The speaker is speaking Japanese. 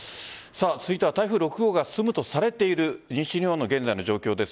続いては、台風６号が進むとされている西日本の現在の状況です。